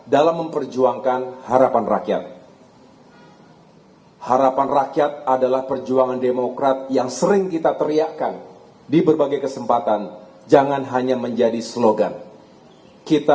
dalam memperjuangkan harapan rakyat